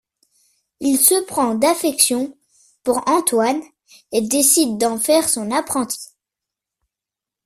Il se prend d'affection pour Antoine et décide d'en faire son apprenti.